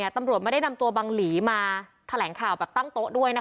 ตำรวจไม่ได้นำตัวบังหลีมาแถลงข่าวแบบตั้งโต๊ะด้วย